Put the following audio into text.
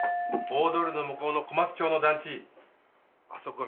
大通りの向こうの小松町の団地あそこ